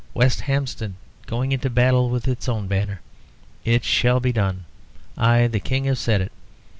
West Hampstead going into battle with its own banner. It shall be done. I, the King, have said it."